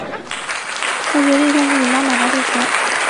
她决定向自己妈妈拿些钱